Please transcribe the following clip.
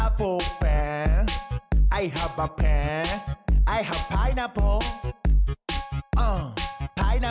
อัปโฟแปนไอฮับแปนไพรนัปเบิ้ล